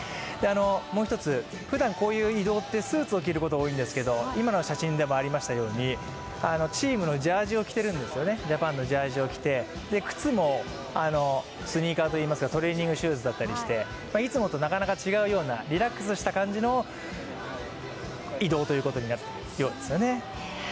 もう一つ、ふだん、こういう移動ってスーツを着ることが多いんですけど、今の写真にあるようにチームのジャージを着てるんですよね、ジャパンのジャージを着て、靴もスニーカーといいますかトレーニングシューズだったりしていつもと違うようなリラックスした感じの移動になっているようです。